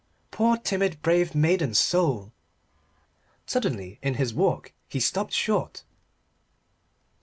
Poor timid, brave maiden soul! Suddenly in his walk he stopped short.